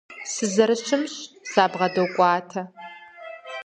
Сызэрыщымщ, сабгъэдокӀуатэ.